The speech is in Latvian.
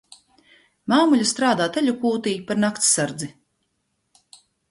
Māmuļa strādā teļu kūtī par nakts sardzi.